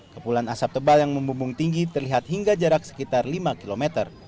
kepulan asap tebal yang membumbung tinggi terlihat hingga jarak sekitar lima km